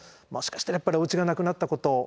もしかしたらやっぱりおうちがなくなったこと。